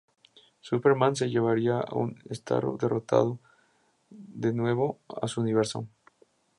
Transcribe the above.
Superman se llevaría a un Starro derrotado de nuevo a su universo.